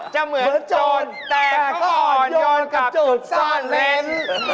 จะเหมือนโจรแต่ก่อนยนต์กลับจุดซ่อนเล้น